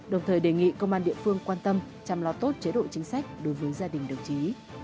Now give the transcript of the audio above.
đồng thời đề nghị công an địa phương quan tâm chăm lo tốt chế độ chính sách đối với gia đình đồng chí